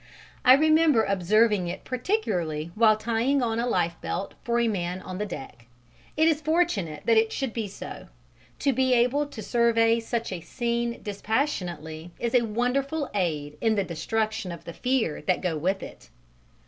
I remember observing it particularly while tying on a lifebelt for a man on the deck. It is fortunate that it should be so: to be able to survey such a scene dispassionately is a wonderful aid inn the destruction of the fear that go with it.